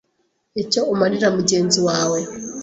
icyo umarira mugenzi wawe.